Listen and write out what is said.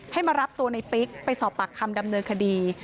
มารับตัวในปิ๊กไปสอบปากคำดำเนินคดี